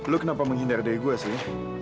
lu kenapa menghindar dari gue sih